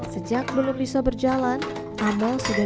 sejak belum bisa berjalan amel sudah dirasakan